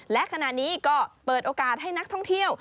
และขณะนี้ก็เปิดโอกาสให้นักท่องเที่ยว